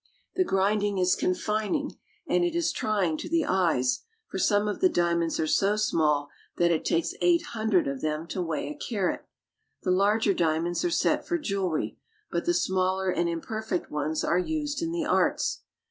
The grinding is confining; and it is trying to the eyes, for some of the diamonds are so small that it takes eight hundred of them to weigh a carat. The larger diamonds are set for jewelry, but the smaller and imper fect ones are used in the arts.